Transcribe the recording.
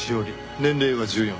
年齢は１４。